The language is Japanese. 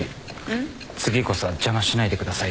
次こそは邪魔しないでくださいよ。